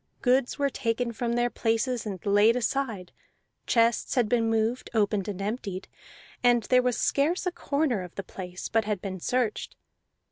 Goods were taken from their places and laid aside; chests had been moved, opened, and emptied; and there was scarce a corner of the place but had been searched.